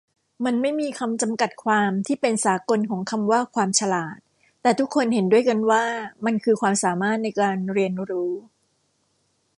มันไม่มีคำจัดกัดความที่เป็นสากลของคำว่า ความฉลาด แต่ทุกคนเห็นด้วยกันว่ามันคือความสามารถในการเรียนรู้